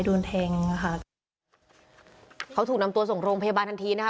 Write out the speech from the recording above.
โดนแทงอ่ะค่ะเขาถูกนำตัวส่งโรงพยาบาลทันทีนะคะ